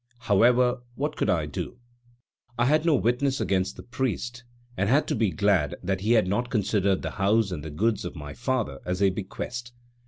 However, what could I do? I had no witness against the priest, and had to be glad that he had not considered the house and the goods of my father as a bequest.